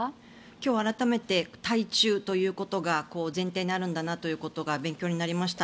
今日、改めて対中ということが前提にあるんだなということが勉強になりました。